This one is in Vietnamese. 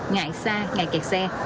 ngại xa ngại kẹt xe